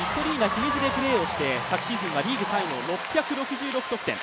姫路でプレーをして昨シーズンはリーグ３位の６６３得点。